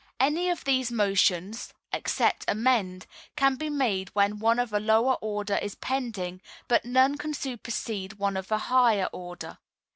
Any of these motions (except Amend) can be made when one of a lower order is pending, but none can supersede one of a higher order.